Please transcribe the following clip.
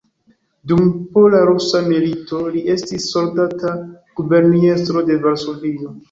Dum pola-rusa milito li estis soldata guberniestro de Varsovio.